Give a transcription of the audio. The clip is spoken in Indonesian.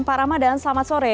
pak ramadan selamat sore